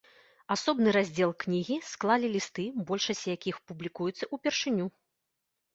Асобны раздзел кнігі склалі лісты, большасць якіх публікуецца ўпершыню.